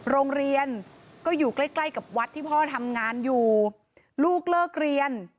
โรงเรียนก็อยู่ใกล้ใกล้กับวัดที่พ่อทำงานอยู่ลูกเลิกเรียน